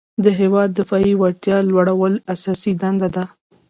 د هیواد دفاعي وړتیا لوړول اساسي دنده ده.